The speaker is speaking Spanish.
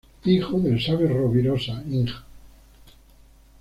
Hijo del "Sabio Rovirosa" Ing.